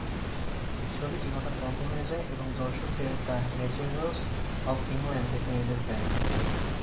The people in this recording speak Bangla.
ছবিটি হঠাৎ বন্ধ হয়ে যায় এবং দর্শকদের "দ্য হেজরোস অফ ইংল্যান্ড" দেখতে নির্দেশ দেয়।